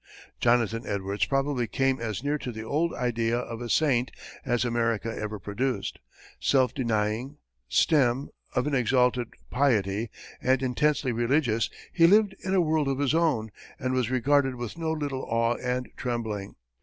Jonathan Edwards probably came as near to the old idea of a saint as America ever produced. Self denying, stern, of an exalted piety, and intensely religious, he lived in a world of his own, and was regarded with no little awe and trembling.